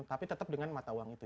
tapi tetap dengan mata uang itu